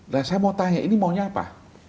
dan saya mau tanya ini maunya apa